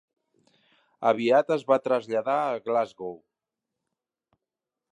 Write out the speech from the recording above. Aviat es va traslladar a Glasgow.